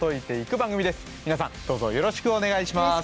この番組は皆さんどうぞよろしくお願いします。